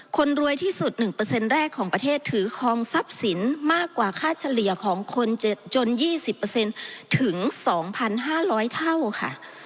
คนรวยที่สุดหนึ่งเปอร์เซ็นต์แรกของประเทศถือคลองทรัพย์สินต์มากกว่าค่าเฉลี่ยของคนจนยี่สิบเปอร์เซ็นต์ถึงสองพันห้าร้อยเท่าค่ะ